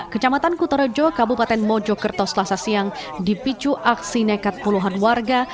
kecamatan kutorejo kabupaten mojokerto selasa siang dipicu aksi nekat puluhan warga